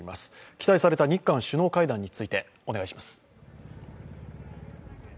期待された日韓首脳会談についてお願いします。